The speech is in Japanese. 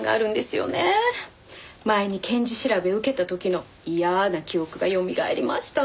前に検事調べ受けた時の嫌な記憶がよみがえりました。